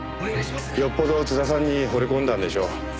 よっぽど津田さんに惚れ込んだんでしょう。